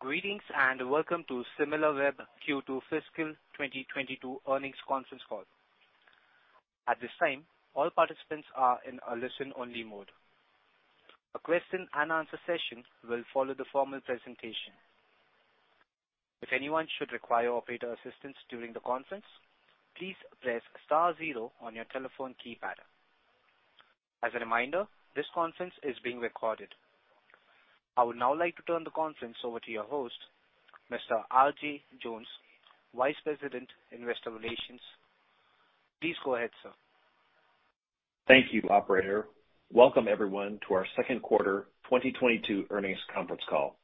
Greetings, and welcome to Similarweb Q2 Fiscal 2022 Earnings Conference Call. At this time, all participants are in a listen-only mode. A question and answer session will follow the formal presentation. If anyone should require operator assistance during the conference, please press star zero on your telephone keypad. As a reminder, this conference is being recorded. I would now like to turn the conference over to your host, Mr. RJ Jones, Vice President, Investor Relations. Please go ahead, sir. Thank you, operator. Welcome everyone to our second quarter 2022 earnings conference call.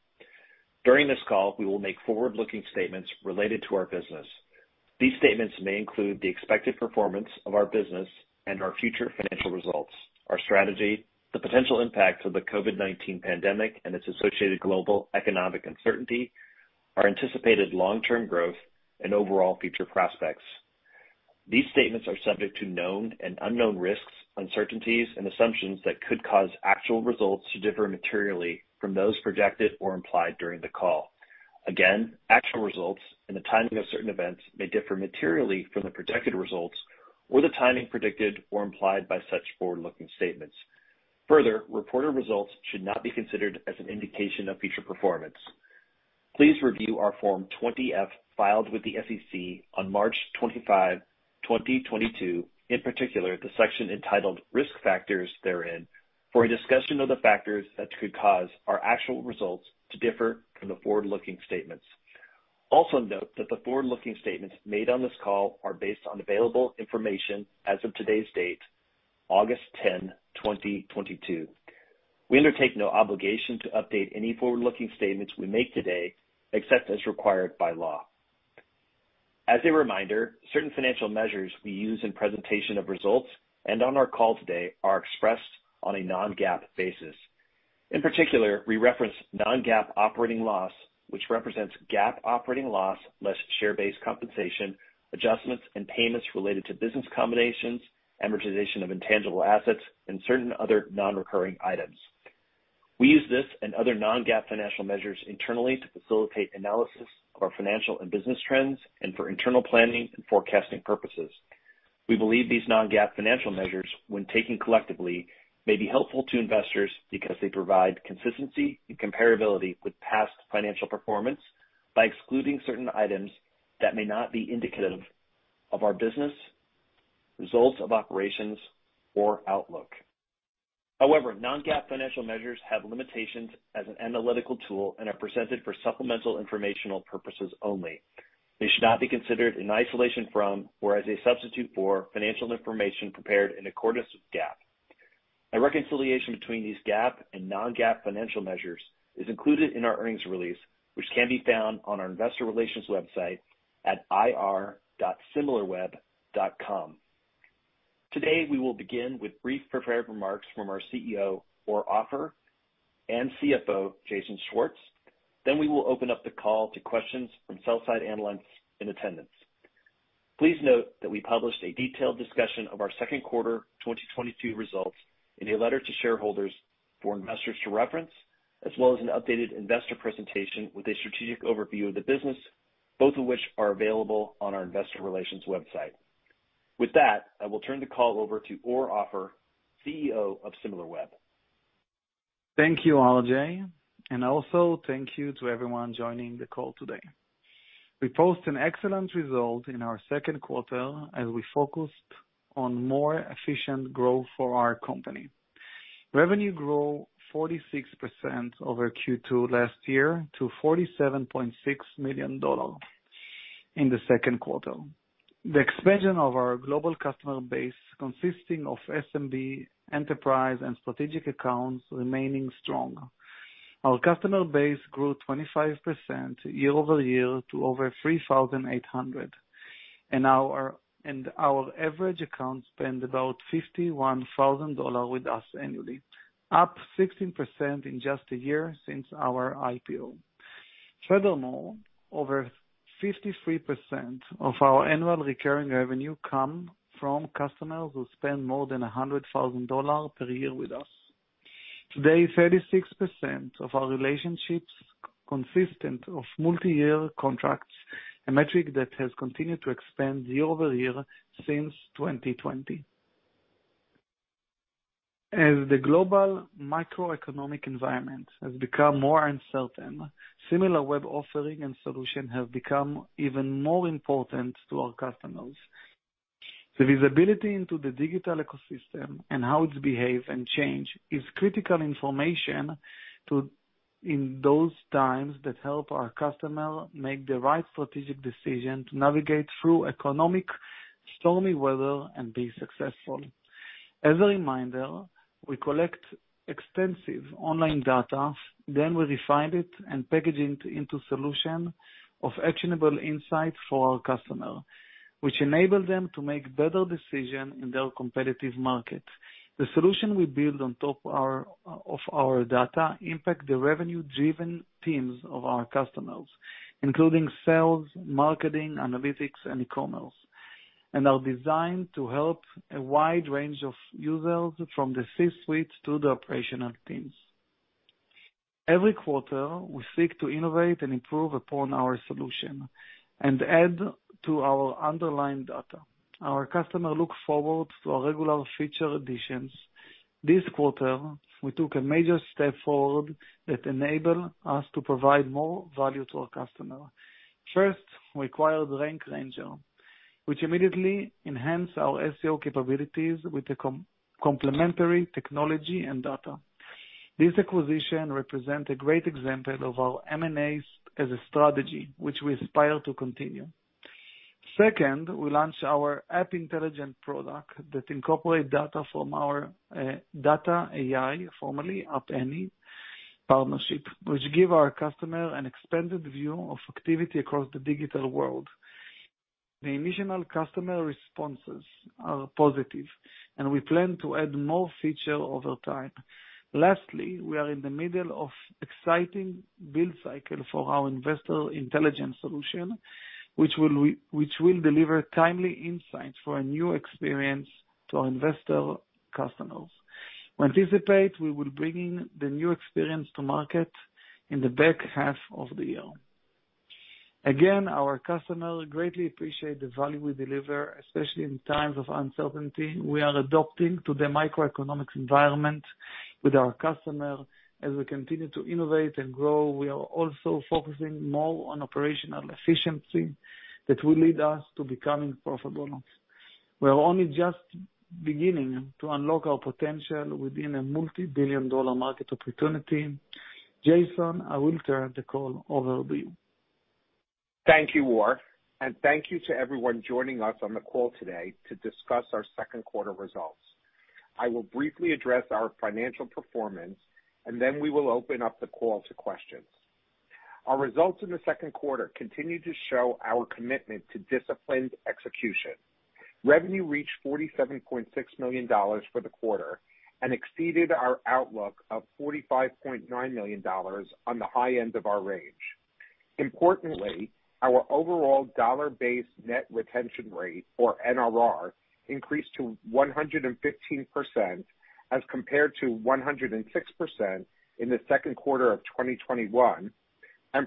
During this call, we will make forward-looking statements related to our business. These statements may include the expected performance of our business and our future financial results, our strategy, the potential impact of the COVID-19 pandemic and its associated global economic uncertainty, our anticipated long-term growth and overall future prospects. These statements are subject to known and unknown risks, uncertainties, and assumptions that could cause actual results to differ materially from those projected or implied during the call. Again, actual results and the timing of certain events may differ materially from the projected results or the timing predicted or implied by such forward-looking statements. Further, reported results should not be considered as an indication of future performance. Please review our Form 20-F filed with the SEC on March 25, 2022, in particular, the section entitled Risk Factors therein, for a discussion of the factors that could cause our actual results to differ from the forward-looking statements. Also note that the forward-looking statements made on this call are based on available information as of today's date, August 10, 2022. We undertake no obligation to update any forward-looking statements we make today, except as required by law. As a reminder, certain financial measures we use in presentation of results and on our call today are expressed on a non-GAAP basis. In particular, we reference non-GAAP operating loss, which represents GAAP operating loss less share-based compensation, adjustments and payments related to business combinations, amortization of intangible assets, and certain other non-recurring items. We use this and other non-GAAP financial measures internally to facilitate analysis of our financial and business trends and for internal planning and forecasting purposes. We believe these non-GAAP financial measures, when taken collectively, may be helpful to investors because they provide consistency and comparability with past financial performance by excluding certain items that may not be indicative of our business, results of operations, or outlook. However, non-GAAP financial measures have limitations as an analytical tool and are presented for supplemental informational purposes only. They should not be considered in isolation from or as a substitute for financial information prepared in accordance with GAAP. A reconciliation between these GAAP and non-GAAP financial measures is included in our earnings release, which can be found on our investor relations website at ir.similarweb.com. Today, we will begin with brief prepared remarks from our CEO, Or Offer, and CFO, Jason Schwartz. We will open up the call to questions from sell-side analysts in attendance. Please note that we published a detailed discussion of our second quarter 2022 results in a letter to shareholders for investors to reference, as well as an updated investor presentation with a strategic overview of the business, both of which are available on our investor relations website. With that, I will turn the call over to Or Offer, CEO of Similarweb. Thank you, RJ, and also thank you to everyone joining the call today. We posted an excellent result in our second quarter as we focused on more efficient growth for our company. Revenue grew 46% over Q2 last year to $47.6 million in the second quarter. The expansion of our global customer base, consisting of SMB, enterprise, and strategic accounts, remains strong. Our customer base grew 25% year-over-year to over 3,800, and our average account spend about $51,000 with us annually, up 16% in just a year since our IPO. Furthermore, over 53% of our annual recurring revenue comes from customers who spend more than $100,000 per year with us. Today, 36% of our relationships consist of multiyear contracts, a metric that has continued to expand year-over-year since 2020. As the global macroeconomic environment has become more uncertain, Similarweb offerings and solutions have become even more important to our customers. The visibility into the digital ecosystem and how it behaves and changes is critical information to in those times that help our customers make the right strategic decisions to navigate through economic stormy weather and be successful. As a reminder, we collect extensive online data, then we refine it and package it into solutions of actionable insights for our customers, which enable them to make better decisions in their competitive market. The solution we build on top of our data impact the revenue-driven teams of our customers, including sales, marketing, analytics, and e-commerce. Are designed to help a wide range of users from the C-suite to the operational teams. Every quarter, we seek to innovate and improve upon our solution and add to our underlying data. Our customers look forward to our regular feature additions. This quarter, we took a major step forward that enable us to provide more value to our customers. First, we acquired Rank Ranger, which immediately enhanced our SEO capabilities with the complementary technology and data. This acquisition represent a great example of our M&As as a strategy which we aspire to continue. Second, we launched our App Intelligence product that incorporate data from our data.ai, formerly App Annie partnership, which give our customers an expanded view of activity across the digital world. The initial customer responses are positive, and we plan to add more features over time. Lastly, we are in the middle of exciting build cycle for our Investor Intelligence solution, which will deliver timely insights for a new experience to our investor customers. We anticipate we will bringing the new experience to market in the back half of the year. Again, our customers greatly appreciate the value we deliver, especially in times of uncertainty. We are adapting to the macroeconomic environment with our customer. As we continue to innovate and grow, we are also focusing more on operational efficiency that will lead us to becoming profitable. We are only just beginning to unlock our potential within a multi-billion-dollar market opportunity. Jason, I will turn the call over to you. Thank you, Or. Thank you to everyone joining us on the call today to discuss our second quarter results. I will briefly address our financial performance and then we will open up the call to questions. Our results in the second quarter continue to show our commitment to disciplined execution. Revenue reached $47.6 million for the quarter and exceeded our outlook of $45.9 million on the high end of our range. Importantly, our overall dollar-based Net Retention Rate, or NRR, increased to 115% as compared to 106% in the second quarter of 2021.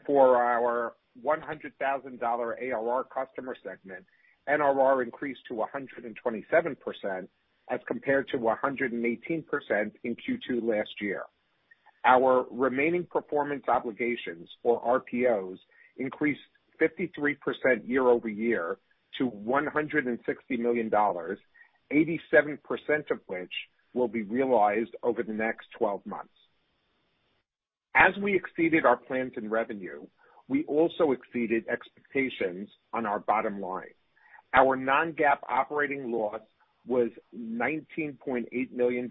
For our $100,000 ARR customer segment, NRR increased to 127% as compared to 118% in Q2 last year. Our remaining performance obligations, or RPOs, increased 53% year-over-year to $160 million, 87% of which will be realized over the next 12 months. We exceeded our plans in revenue, we also exceeded expectations on our bottom line. Our non-GAAP operating loss was $19.8 million,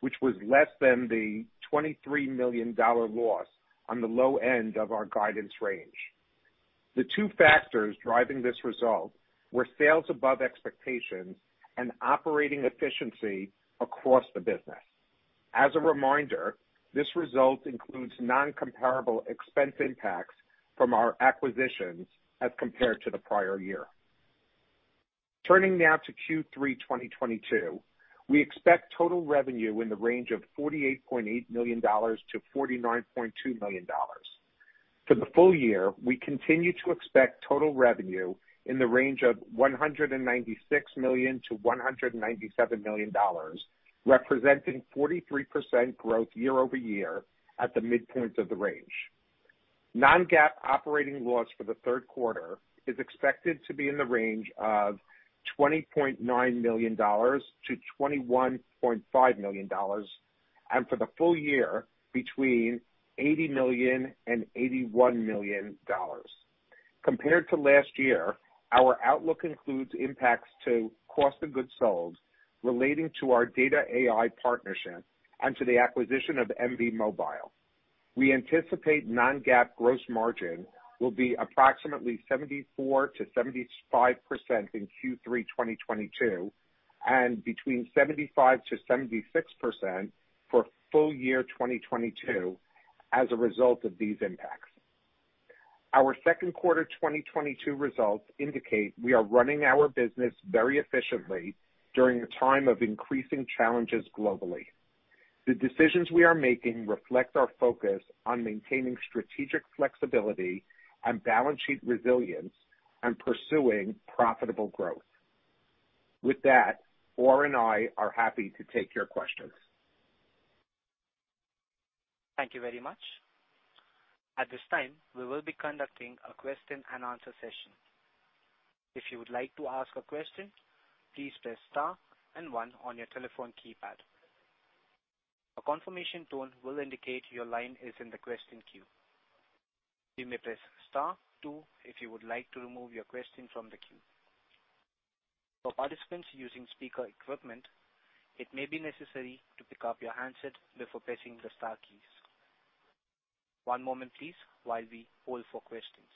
which was less than the $23 million loss on the low end of our guidance range. The two factors driving this result were sales above expectations and operating efficiency across the business. This result includes non-comparable expense impacts from our acquisitions as compared to the prior year. Turning now to Q3 2022, we expect total revenue in the range of $48.8 million-$49.2 million. For the full year, we continue to expect total revenue in the range of $196 million-$197 million, representing 43% growth year-over-year at the midpoint of the range. non-GAAP operating loss for the third quarter is expected to be in the range of $20.9 million-$21.5 million, and for the full year, between $80 million and $81 million. Compared to last year, our outlook includes impacts to cost of goods sold relating to our data.ai partnership and to the acquisition of Embee Mobile. We anticipate non-GAAP gross margin will be approximately 74%-75% in Q3 2022, and between 75%-76% for full year 2022 as a result of these impacts. Our second quarter 2022 results indicate we are running our business very efficiently during a time of increasing challenges globally. The decisions we are making reflect our focus on maintaining strategic flexibility and balance sheet resilience and pursuing profitable growth. With that, Or and I are happy to take your questions. Thank you very much. At this time, we will be conducting a question and answer session. If you would like to ask a question, please press star and one on your telephone keypad. A confirmation tone will indicate your line is in the question queue. You may press star two if you would like to remove your question from the queue. For participants using speaker equipment, it may be necessary to pick up your handset before pressing the star keys. One moment please while we hold for questions.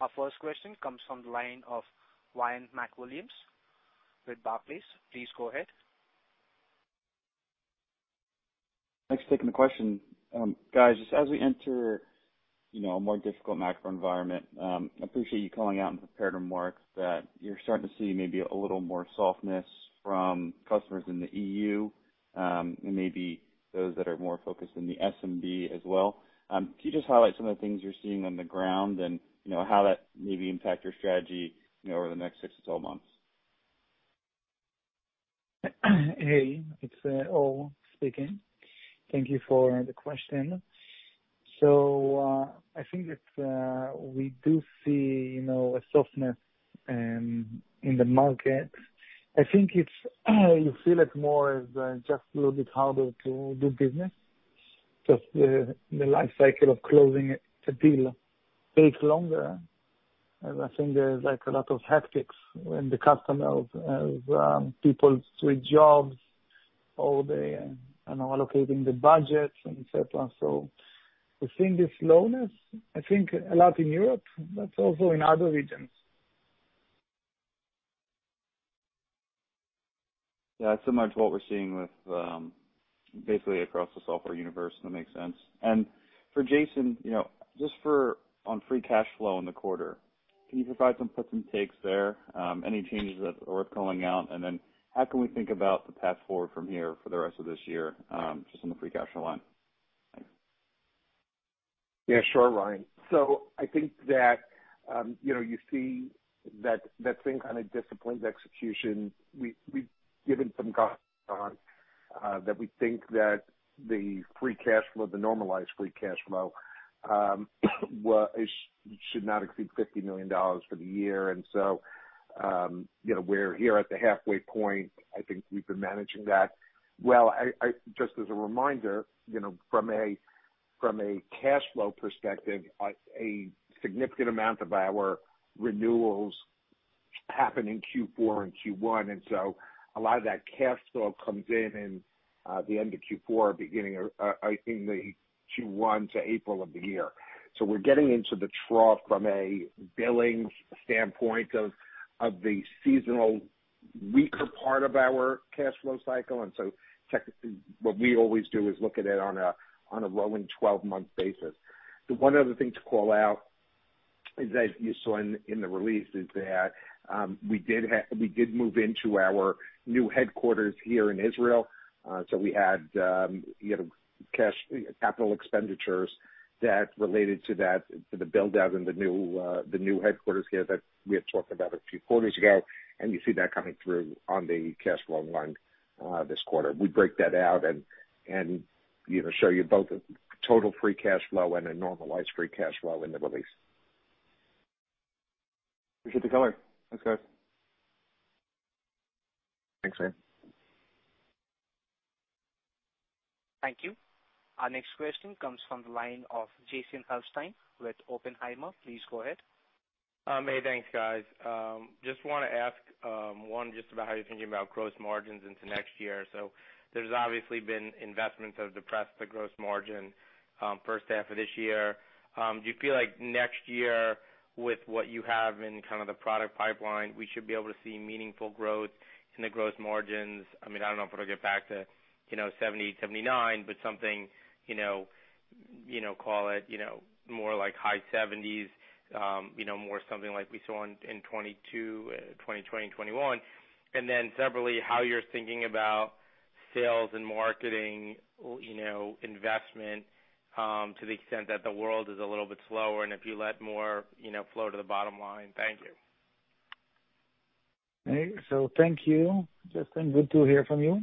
Our first question comes from the line of Ryan MacWilliams with Barclays. Please go ahead. Thanks for taking the question. Guys, just as we enter, you know, a more difficult macro environment, I appreciate you calling out in the prepared remarks that you're starting to see maybe a little more softness from customers in the EU, and maybe those that are more focused in the SMB as well. Can you just highlight some of the things you're seeing on the ground and, you know, how that may impact your strategy, you know, over the next 6-12 months? Hey, it's Or speaking. Thank you for the question. I think it's we do see, you know, a softness in the market. I think it's, you feel it more as just a little bit harder to do business. Just the life cycle of closing a deal takes longer. I think there's like a lot of hiccups when the customers have people switch jobs or they are, you know, allocating the budgets and et cetera. We're seeing this slowness, I think a lot in Europe, but also in other regions. Yeah, it's similar to what we're seeing with, basically across the software universe. That makes sense. For Jason, you know, just for on free cash flow in the quarter, can you provide some puts and takes there? Any changes that are worth calling out? How can we think about the path forward from here for the rest of this year, just on the free cash flow line? Thanks. Yeah, sure, Ryan. So I think that, you know, you see that thing kind of disciplines execution. We've given some guidance on that we think that the free cash flow, the normalized free cash flow, was, is, should not exceed $50 million for the year. You know, we're here at the halfway point. I think we've been managing that well. I just as a reminder, you know, from a cash flow perspective, a significant amount of our renewals happen in Q4 and Q1, and so a lot of that cash flow comes in in the end of Q4, beginning of, I think the Q1 to April of the year. We're getting into the trough from a billing standpoint of the seasonal weaker part of our cash flow cycle, and technically what we always do is look at it on a rolling 12-month basis. The one other thing to call out is, as you saw in the release, is that we did move into our new headquarters here in Israel. We had you know cash capital expenditures that related to that, to the build-out in the new headquarters here that we had talked about a few quarters ago. You see that coming through on the cash flow line this quarter. We break that out and you know show you both the total free cash flow and a normalized free cash flow in the release. Appreciate the color. Thanks, guys. Thank you. Our next question comes from the line of Jason Helfstein with Oppenheimer. Please go ahead. Hey, thanks, guys. Just wanna ask just about how you're thinking about gross margins into next year. There's obviously been investments that have depressed the gross margin first half of this year. Do you feel like next year, with what you have in kind of the product pipeline, we should be able to see meaningful growth in the gross margins? I mean, I don't know if it'll get back to, you know, 70%, 79%, but something, you know, call it, you know, more like high 70s%, you know, more something like we saw in 2022, 2020 and 2021. Then separately, how you're thinking about sales and marketing investment to the extent that the world is a little bit slower and if you let more flow to the bottom line. Thank you. Thank you, Jason. Good to hear from you.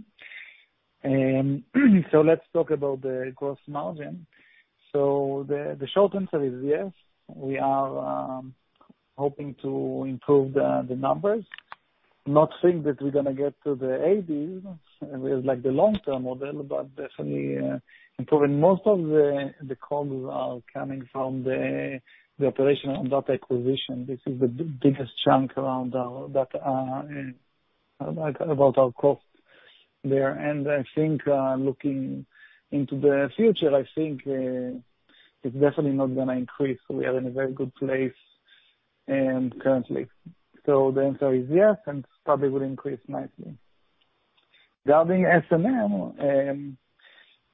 Let's talk about the gross margin. The short answer is yes, we are hoping to improve the numbers. Not saying that we're gonna get to the 80s% as like the long-term model, but definitely improving. Most of the calls are coming from the operational and data acquisition. This is the biggest chunk around our data about our costs there. And I think looking into the future, I think it's definitely not gonna increase. We are in a very good place currently. The answer is yes, and probably will increase nicely. Regarding S&M,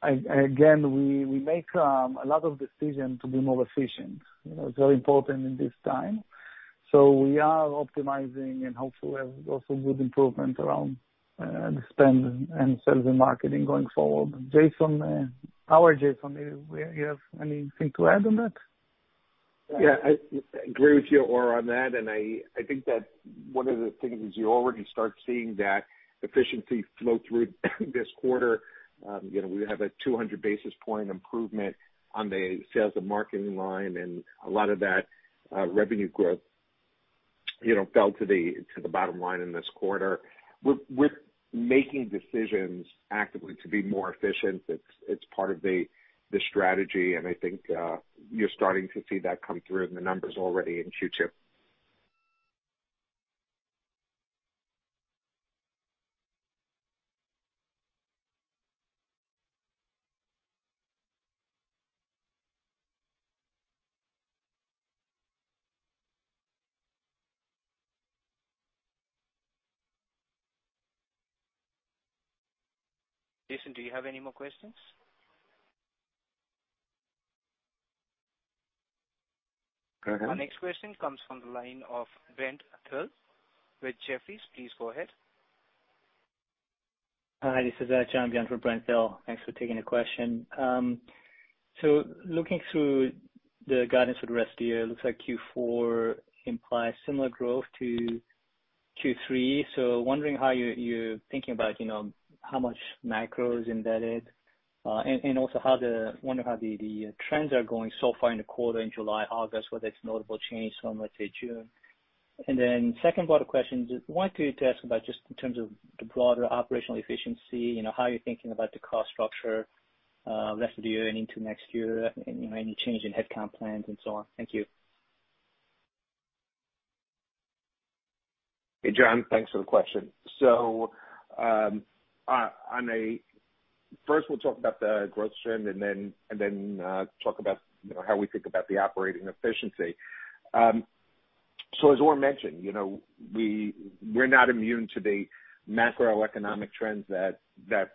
again, we make a lot of decisions to be more efficient. You know, it's very important in this time. We are optimizing and hope to have also good improvement around the sales and marketing spend going forward. Jason, our Jason, do you have anything to add on that? Yeah, I agree with you, Or, on that. I think that one of the things is you already start seeing that efficiency flow through this quarter. You know, we have a 200 basis point improvement on the sales and marketing line, and a lot of that revenue growth, you know, fell to the bottom line in this quarter. We're making decisions actively to be more efficient. It's part of the strategy, and I think you're starting to see that come through in the numbers already in Q2. Jason, do you have any more questions? Go ahead. Our next question comes from the line of Brent Thill with Jefferies. Please go ahead. Hi, this is John with Brent Thill. Thanks for taking the question. Looking through the guidance for the rest of the year, looks like Q4 implies similar growth to Q3. Wondering how you're thinking about, you know, how much macro is embedded, and also how the trends are going so far in the quarter in July, August, whether it's a notable change from let's say June. Second part of question, just wanted to ask about just in terms of the broader operational efficiency, you know, how you're thinking about the cost structure, rest of the year and into next year. Any change in headcount plans and so on? Thank you. Hey, John, thanks for the question. First we'll talk about the growth trend and then talk about, you know, how we think about the operating efficiency. As Or mentioned, you know, we're not immune to the macroeconomic trends that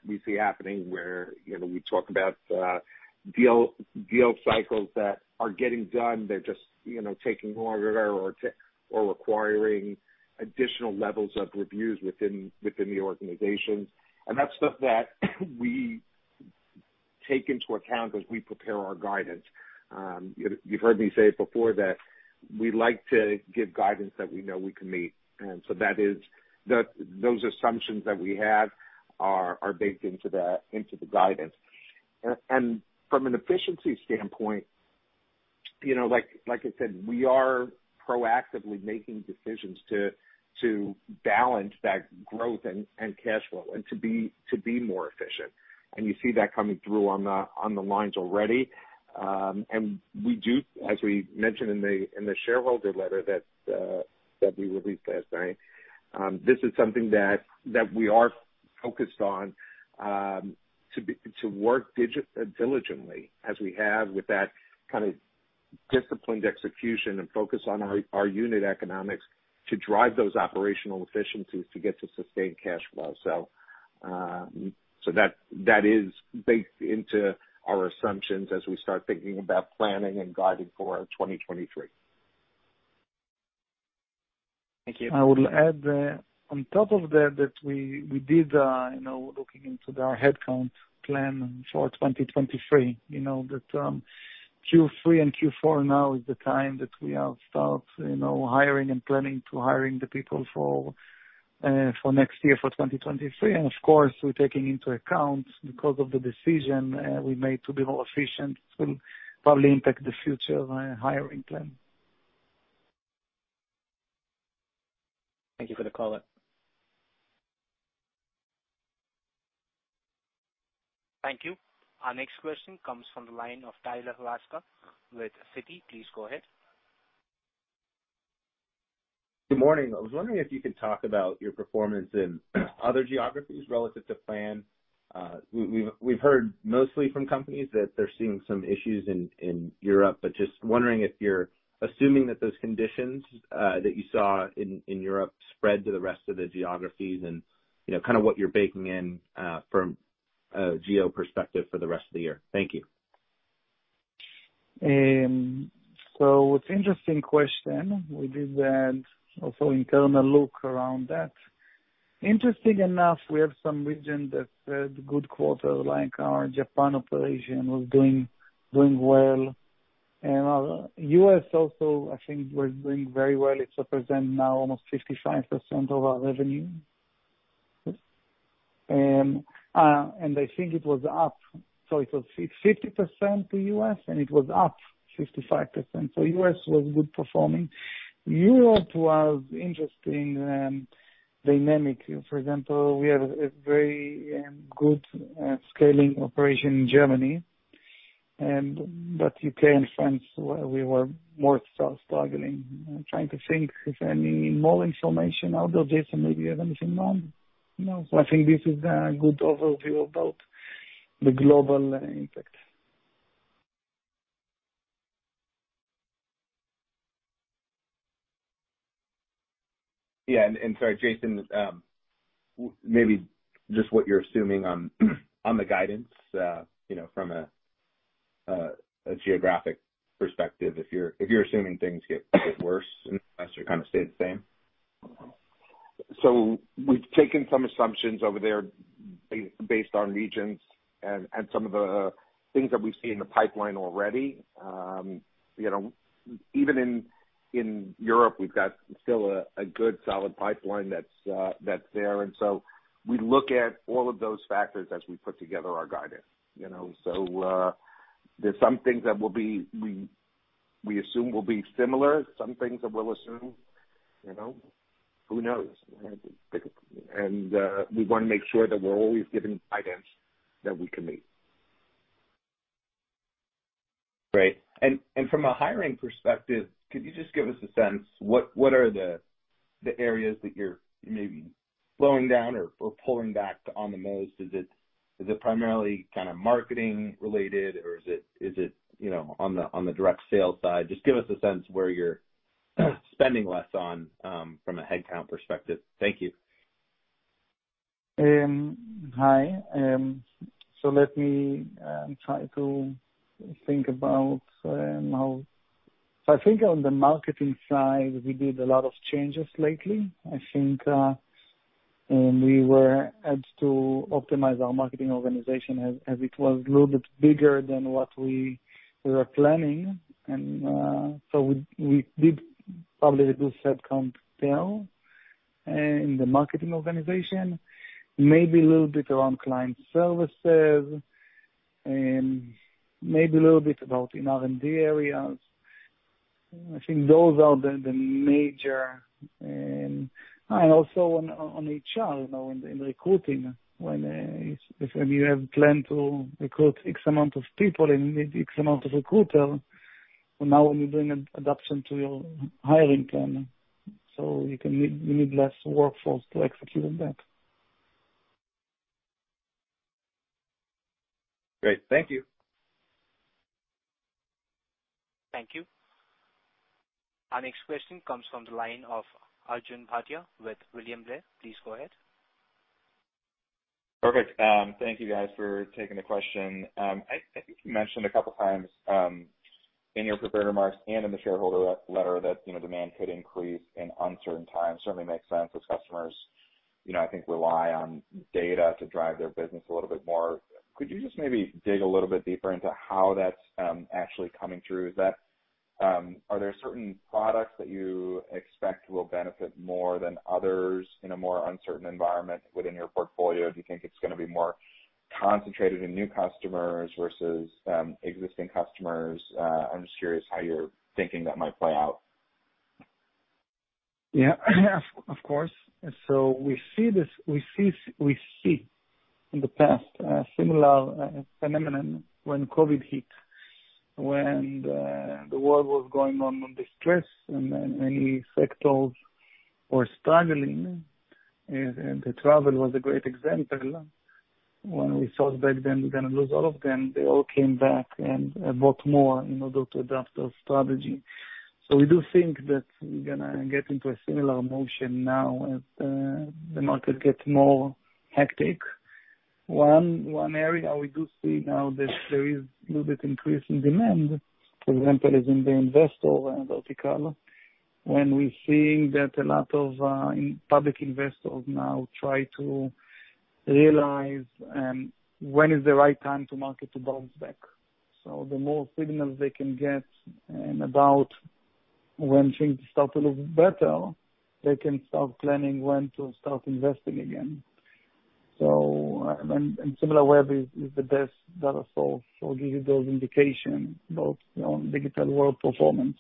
we see happening where, you know, we talk about deal cycles that are getting done. They're just, you know, taking longer or requiring additional levels of reviews within the organizations. That's stuff that we take into account as we prepare our guidance. You've heard me say it before that we like to give guidance that we know we can meet, and so that is, those assumptions that we have are baked into the guidance. From an efficiency standpoint, you know, like I said, we are proactively making decisions to balance that growth and cash flow and to be more efficient. You see that coming through on the lines already. We do as we mentioned in the shareholder letter that we released last night. This is something that we are focused on, to work diligently as we have with that kind of disciplined execution and focus on our unit economics to drive those operational efficiencies to get to sustained cash flow. That is baked into our assumptions as we start thinking about planning and guiding for 2023. Thank you. I would add that on top of that, we did, you know, looking into our headcount plan for 2023, you know, that Q3 and Q4 now is the time that we have started, you know, hiring and planning to hire the people for next year, for 2023. Of course, we're taking into account because of the decision we made to be more efficient will probably impact the future hiring plan. Thank you for the color. Thank you. Our next question comes from the line of Tyler Radke with Citi. Please go ahead. Good morning. I was wondering if you could talk about your performance in other geographies relative to plan. We've heard mostly from companies that they're seeing some issues in Europe, but just wondering if you're assuming that those conditions that you saw in Europe spread to the rest of the geographies and you know kind of what you're baking in from a geo perspective for the rest of the year. Thank you. It's interesting question. We did that also internal look around that. Interesting enough, we have some region that had good quarter, like our Japan operation was doing well, and our U.S. also, I think we're doing very well. It represents now almost 55% of our revenue. I think it was up, so it was 50% to U.S. and it was up 55%. U.S. was good performing. Europe was interesting and dynamic. For example, we have a very good scaling operation in Germany and, but U.K. and France, we were more sort of struggling. I'm trying to think if any more information. Although Jason, maybe you have anything more. No. I think this is a good overview about the global impact. Sorry, Jason, maybe just what you're assuming on the guidance, you know, from a geographic perspective, if you're assuming things get worse or kind of stay the same? We've taken some assumptions over there based on regions and some of the things that we see in the pipeline already. You know, even in Europe, we've got still a good solid pipeline that's there. We look at all of those factors as we put together our guidance, you know. There's some things that will be, we assume will be similar, some things that we'll assume, you know, who knows? We wanna make sure that we're always giving guidance that we can meet. Great. From a hiring perspective, could you just give us a sense what are the areas that you're maybe slowing down or pulling back on the most? Is it primarily kind of marketing related or is it, you know, on the direct sales side? Just give us a sense where you're spending less on from a headcount perspective. Thank you. I think on the marketing side, we did a lot of changes lately. I think we had to optimize our marketing organization as it was a little bit bigger than what we were planning. We did probably reduce headcount there in the marketing organization, maybe a little bit around client services, and maybe a little bit in R&D areas. I think those are the major. Also on HR, you know, in recruiting. When you have planned to recruit X amount of people and you need X amount of recruiters, now when you bring an adjustment to your hiring plan, you need less workforce to execute on that. Great. Thank you. Thank you. Our next question comes from the line of Arjun Bhatia with William Blair. Please go ahead. Perfect. Thank you guys for taking the question. I think you mentioned a couple times in your prepared remarks and in the shareholder letter that, you know, demand could increase in uncertain times. Certainly makes sense as customers, you know, I think rely on data to drive their business a little bit more. Could you just maybe dig a little bit deeper into how that's actually coming through? Are there certain products that you expect will benefit more than others in a more uncertain environment within your portfolio? Do you think it's gonna be more concentrated in new customers versus existing customers? I'm just curious how you're thinking that might play out. Yeah. Of course. We see in the past a similar phenomenon when COVID hit. When the world was going through distress and then many sectors were struggling, and the travel was a great example. When we thought back then we're gonna lose all of them, they all came back and bought more in order to adapt their strategy. We do think that we're gonna get into a similar motion now as the market gets more hectic. One area we do see now that there is a little bit increase in demand, for example, is in the investor vertical, when we're seeing that a lot of institutional investors now try to realize when is the right time for the market to bounce back. The more signals they can get about when things start to look better, they can start planning when to start investing again. Similarweb is the best data source to give you those indications about, you know, digital world performance.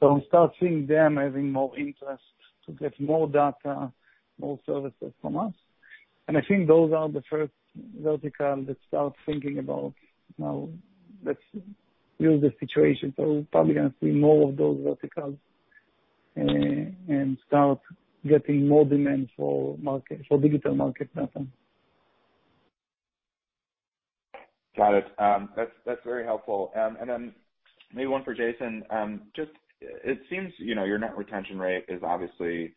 We start seeing them having more interest to get more data, more services from us. I think those are the first vertical that start thinking about, now let's use the situation. We're probably gonna see more of those verticals and start getting more demand for marketing, for digital marketing mapping. Got it. That's very helpful. Then maybe one for Jason. Just, it seems, you know, your net retention rate is obviously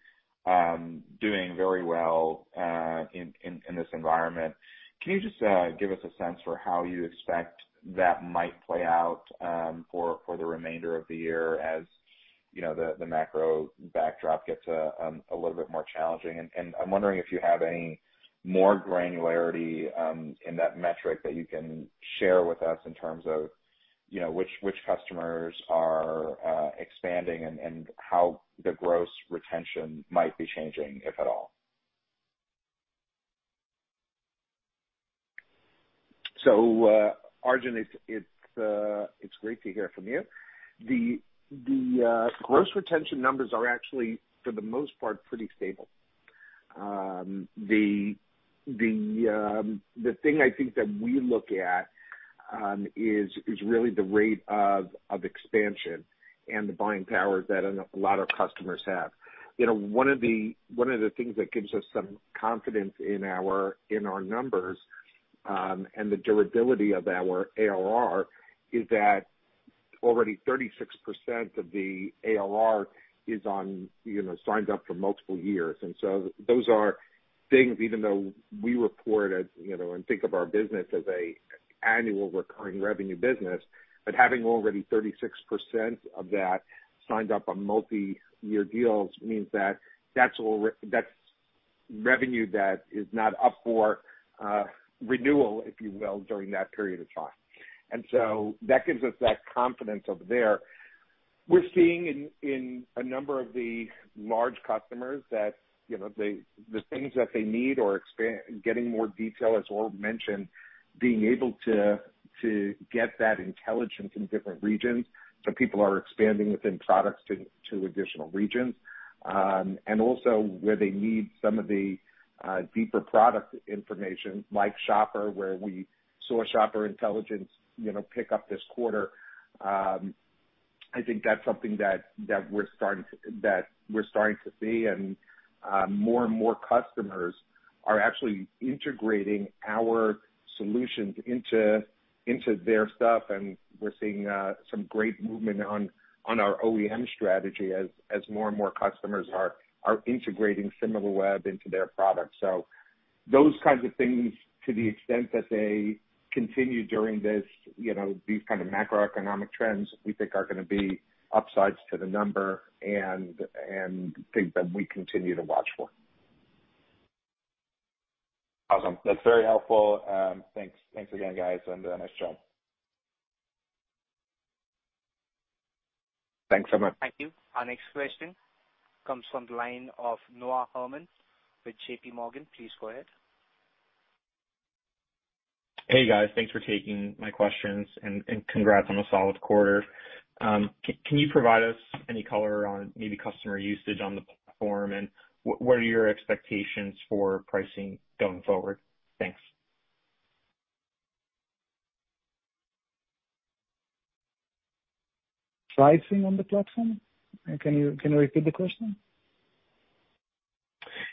doing very well in this environment. Can you just give us a sense for how you expect that might play out for the remainder of the year as, you know, the macro backdrop gets a little bit more challenging? I'm wondering if you have any more granularity in that metric that you can share with us in terms of, you know, which customers are expanding and how the gross retention might be changing, if at all. Arjun, it's great to hear from you. The gross retention numbers are actually, for the most part, pretty stable. The thing I think that we look at is really the rate of expansion and the buying powers that a lot of customers have. You know, one of the things that gives us some confidence in our numbers and the durability of our ARR is that already 36% of the ARR is on, you know, signed up for multiple years. Those are things, even though we report as, you know, and think of our business as an annual recurring revenue business, but having already 36% of that signed up on multiyear deals means that that's revenue that is not up for renewal, if you will, during that period of time. That gives us that confidence over there. We're seeing in a number of the large customers that, you know, they, the things that they need or expand, getting more detail, as Or mentioned, being able to get that intelligence in different regions. People are expanding within products to additional regions. Also where they need some of the deeper product information, like Shopper, where we saw Shopper Intelligence pick up this quarter. I think that's something that we're starting to see, and more and more customers are actually integrating our solutions into their stuff. We're seeing some great movement on our OEM strategy as more and more customers are integrating Similarweb into their products. Those kinds of things, to the extent that they continue during this, you know, these kind of macroeconomic trends, we think are gonna be upsides to the number and things that we continue to watch for. Awesome. That's very helpful. Thanks. Thanks again, guys, and nice job. Thanks so much. Thank you. Our next question comes from the line of Noah Herman with JPMorgan. Please go ahead. Hey, guys. Thanks for taking my questions, and congrats on a solid quarter. Can you provide us any color on maybe customer usage on the platform, and what are your expectations for pricing going forward? Thanks. Pricing on the platform? Can you repeat the question?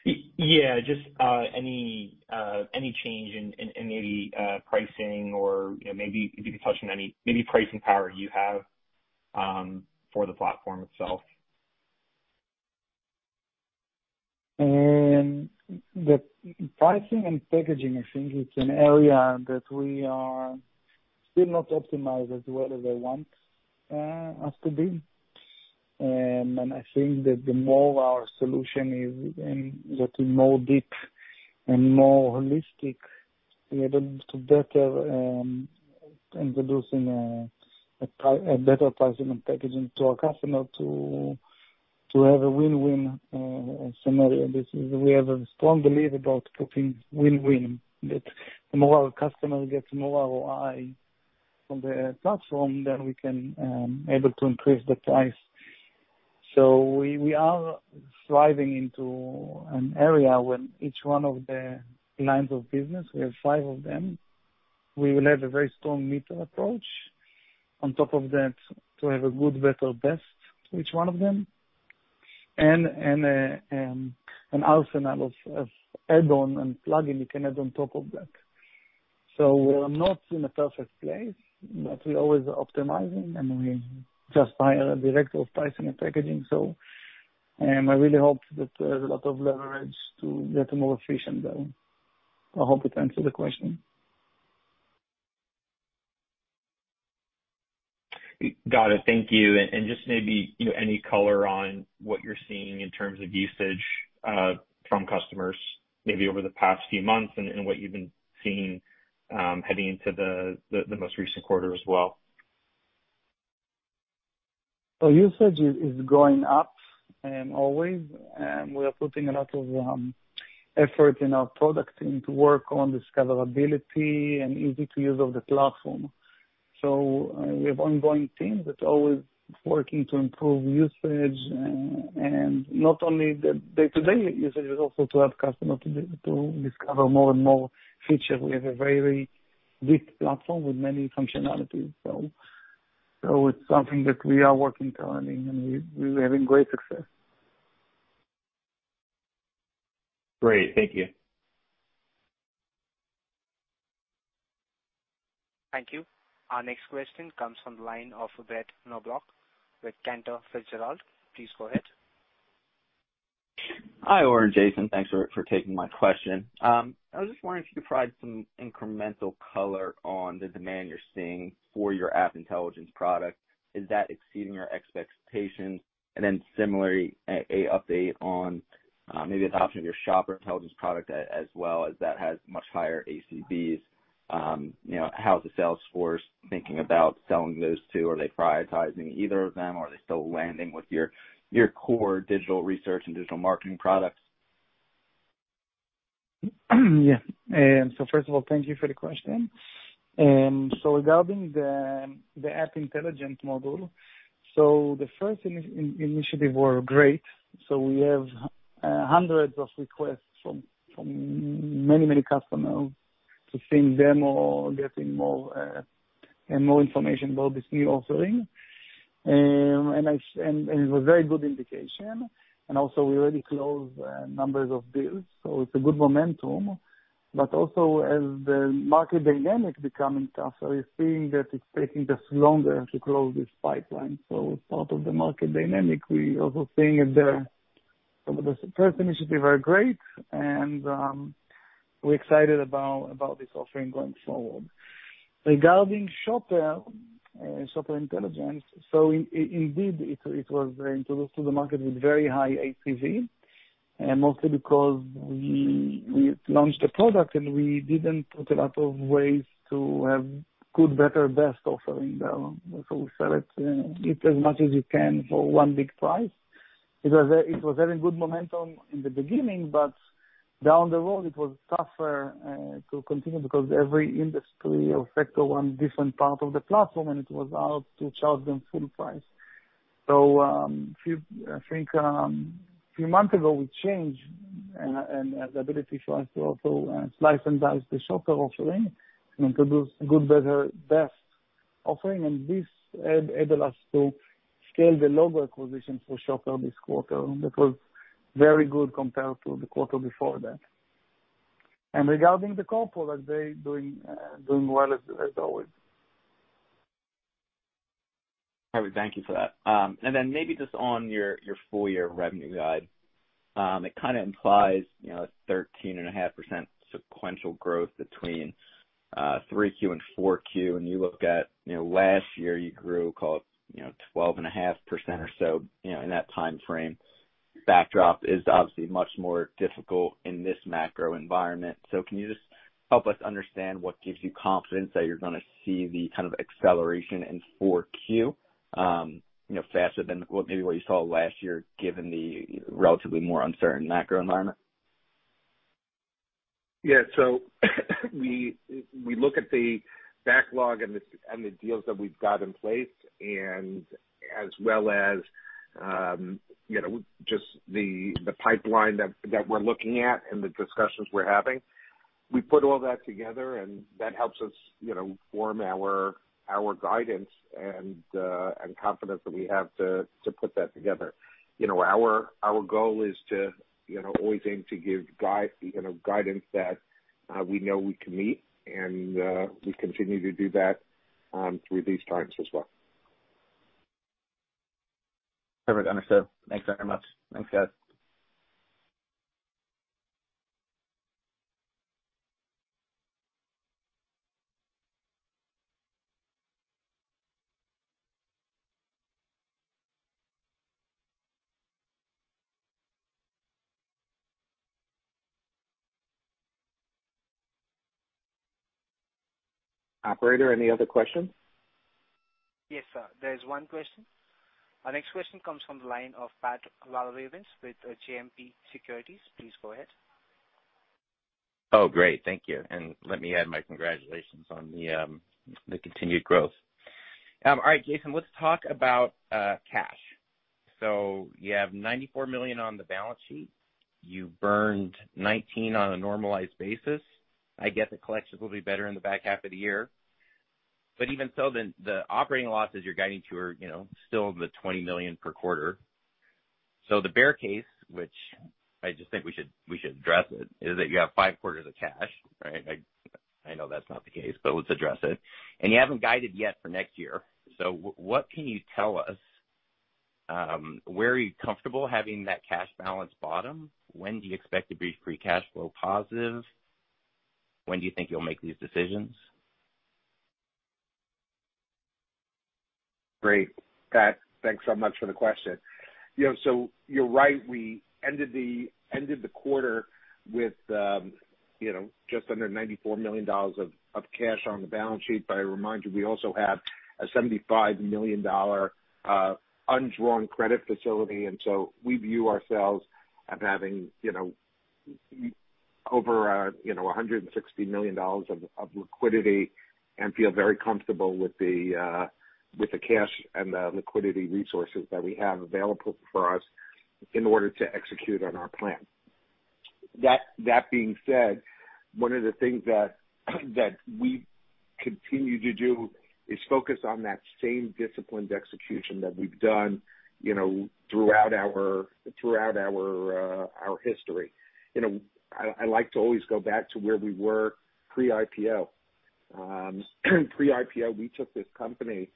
Yeah, just any change in maybe pricing or, you know, maybe if you could touch on any maybe pricing power you have for the platform itself. The pricing and packaging I think is an area that we are still not optimized as well as I want us to be. I think that the more our solution gets to more deep and more holistic, be able to better introduce a better pricing and packaging to our customer to have a win-win scenario. We have a strong belief about keeping win-win that the more our customer gets more ROI from the platform, then we can able to increase the price. We are driving into an area when each one of the lines of business, we have five of them, we will have a very strong land-and-expand approach. On top of that to have a good, better best to each one of them and an arsenal of add-on and plug-in we can have on top of that. We're not in a perfect place, but we always are optimizing, and we just hire a director of pricing and packaging, so I really hope that there's a lot of leverage to get more efficient there. I hope it answers the question. Got it. Thank you. Just maybe, you know, any color on what you're seeing in terms of usage from customers, maybe over the past few months and what you've been seeing heading into the most recent quarter as well? Usage is going up always, and we are putting a lot of effort in our product team to work on discoverability and easy to use of the platform. We have ongoing teams that's always working to improve usage, and not only the day-to-day usage, but also to help customer to discover more and more features. We have a very deep platform with many functionalities. It's something that we are working currently, and we're having great success. Great. Thank you. Thank you. Our next question comes from the line of Brett Knoblauch with Cantor Fitzgerald. Please go ahead. Hi, Or, Jason. Thanks for taking my question. I was just wondering if you could provide some incremental color on the demand you're seeing for your App Intelligence product. Is that exceeding your expectations? Similarly, an update on maybe adoption of your Shopper Intelligence product as well, as that has much higher ACBs. You know, how's the sales force thinking about selling those two? Are they prioritizing either of them or are they still landing with your core Digital Research and Digital Marketing products? Yeah. First of all, thank you for the question. Regarding the App Intelligence module, the first initiative were great. We have hundreds of requests from many customers to see a demo, getting more and more information about this new offering. It's a very good indication. Also we already closed numbers of deals, so it's a good momentum. As the market dynamic becoming tougher, we're seeing that it's taking just longer to close this pipeline. It's part of the market dynamic. We're also seeing that some of the first initiatives are great and we're excited about this offering going forward. Regarding Shopper Intelligence, indeed it was introduced to the market with very high APV, mostly because we launched the product and we didn't put a lot of ways to have good, better, best offering. We sell it as much as you can for one big price. It was very good momentum in the beginning, but down the road it was tougher to continue because every industry affect one different part of the platform, and it was hard to charge them full price. Few months ago we changed and the ability for us to also slice and dice the Shopper offering and introduce good, better, best offering. This enabled us to scale the logo acquisition for Shopper this quarter. That was very good compared to the quarter before that. Regarding the core product, they doing well as always. Perfect. Thank you for that. Maybe just on your full year revenue guide. It kind of implies, you know, 13.5% sequential growth between 3Q and 4Q. You look at, you know, last year you grew, call it, you know, 12.5% or so, you know, in that time frame. Backdrop is obviously much more difficult in this macro environment. Can you just help us understand what gives you confidence that you're gonna see the kind of acceleration in 4Q, you know, faster than what you maybe saw last year, given the relatively more uncertain macro environment? Yeah. We look at the backlog and the deals that we've got in place as well as, you know, just the pipeline that we're looking at and the discussions we're having. We put all that together and that helps us, you know, form our guidance and confidence that we have to put that together. You know, our goal is to, you know, always aim to give guidance that we know we can meet, and we continue to do that through these times as well. Perfect. Understood. Thanks very much. Thanks, guys. Operator, any other questions? Yes, sir. There is one question. Our next question comes from the line of Pat Walravens with JMP Securities. Please go ahead. Oh, great. Thank you. Let me add my congratulations on the continued growth. All right, Jason, let's talk about cash. You have $94 million on the balance sheet. You burned $19 million on a normalized basis. I get the collections will be better in the back half of the year, but even so, the operating losses you're guiding to are, you know, still the $20 million per quarter. The bear case, which I just think we should address it, is that you have five quarters of cash, right? I know that's not the case, but let's address it. You haven't guided yet for next year. What can you tell us, where are you comfortable having that cash balance bottom? When do you expect to be free cash flow positive? When do you think you'll make these decisions? Great. Pat, thanks so much for the question. You're right. We ended the quarter with just under $94 million of cash on the balance sheet. A reminder, we also have a $75 million undrawn credit facility. We view ourselves as having over $160 million of liquidity and feel very comfortable with the cash and the liquidity resources that we have available for us in order to execute on our plan. That being said, one of the things that we continue to do is focus on that same disciplined execution that we've done throughout our history. I like to always go back to where we were pre-IPO. Pre-IPO, we took this company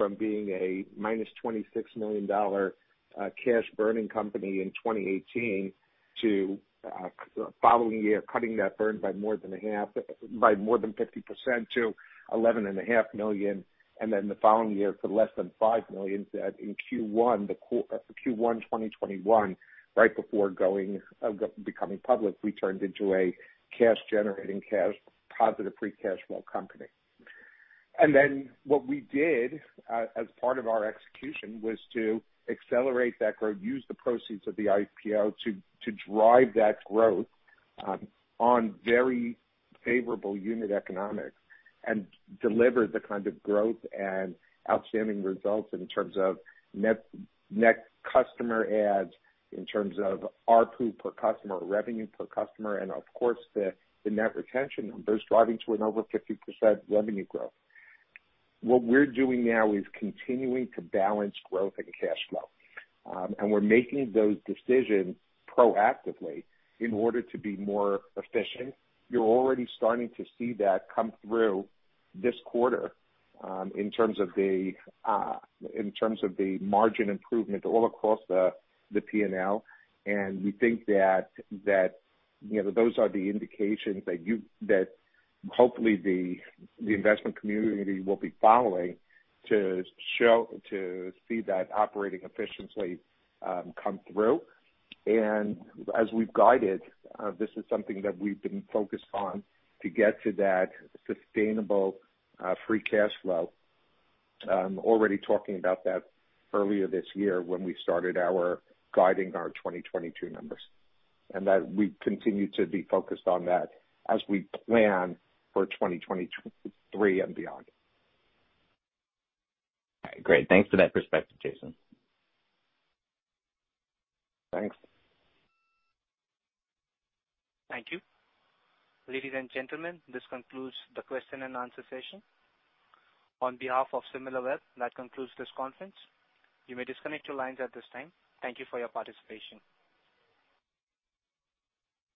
from being a -$26 million cash-burning company in 2018 to following year, cutting that burn by more than a half, by more than 50% to $11.5 million, and then the following year to less than $5 million. In Q1 2021, right before going, becoming public, we turned into a cash-generating cash-positive free cash flow company. What we did, as part of our execution was to accelerate that growth, use the proceeds of the IPO to drive that growth, on very favorable unit economics and deliver the kind of growth and outstanding results in terms of net customer adds, in terms of ARPU per customer, revenue per customer, and of course the net retention numbers driving to an over 50% revenue growth. What we're doing now is continuing to balance growth and cash flow. We're making those decisions proactively in order to be more efficient. You're already starting to see that come through this quarter, in terms of the margin improvement all across the P&L. We think that you know those are the indications that hopefully the investment community will be following to see that operating efficiency come through. As we've guided, this is something that we've been focused on to get to that sustainable free cash flow. Already talking about that earlier this year when we started guiding our 2022 numbers, and that we continue to be focused on that as we plan for 2023 and beyond. All right. Great. Thanks for that perspective, Jason. Thanks. Thank you. Ladies and gentlemen, this concludes the question and answer session. On behalf of Similarweb, that concludes this conference. You may disconnect your lines at this time. Thank you for your participation.